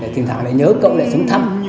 thì thằng này nhớ cậu lại xuống thăm